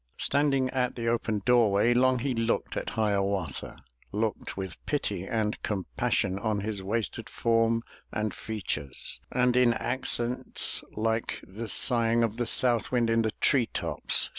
Standing at the open doorway, Long he looked at Hiawatha, Looked with pity and compassion On his wasted form and features, And, in accents like the sighing Of the South Wind in the tree tops.